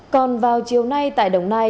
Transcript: còn vào chiều nay tại đồng nai